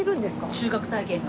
収穫体験が。